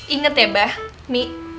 ingat ya bah nih